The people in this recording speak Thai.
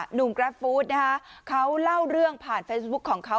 กราฟฟู้ดนะคะเขาเล่าเรื่องผ่านเฟซบุ๊คของเขา